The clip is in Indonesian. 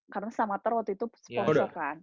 karena samater waktu itu sponsor kan